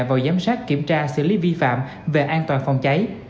vào giám sát kiểm tra xử lý vi phạm về an toàn phòng cháy